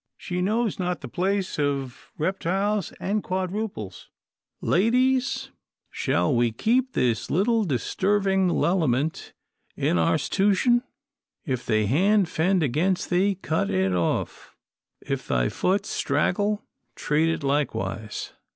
She knows not the place of reptiles an' quadruples. Ladies, shall we keep this little disturving lellement in our 'stution? If thy hand 'fend against thee cut it off. If thy foot straggle, treat it likewise.'